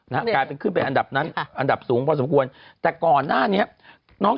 กลายเป็นขึ้นไปอันดับนั้นอันดับสูงพอสมควรแต่ก่อนหน้านี้น้อง